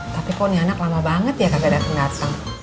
tapi kok niana kelama banget ya kagak datang datang